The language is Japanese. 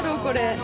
これ。